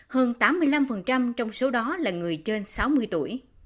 hơn tám mươi năm trong số đó là người trên sáu mươi tuổi